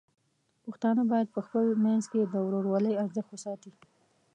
پښتانه بايد په خپل منځ کې د ورورولۍ ارزښت وساتي.